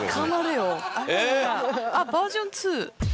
あっバージョン２。